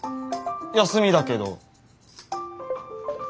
休みだけど。